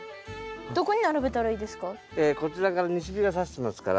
どこに並べたらいいですか？